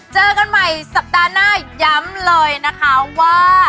เจอกันใหม่สัปดาห์หน้าย้ำเลยนะคะว่า